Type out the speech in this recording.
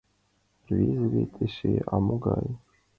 «Рвезе вет эше, а могай!